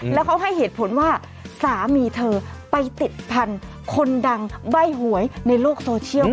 แล้วเขาให้เหตุผลว่าสามีเธอไปติดพันธุ์คนดังใบ้หวยในโลกโซเชียล